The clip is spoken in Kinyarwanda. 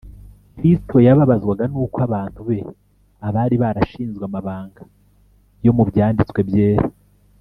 . Kristo yababazwaga nuko abantu be, abari barashinzwe amabanga yo mu Byanditswe Byera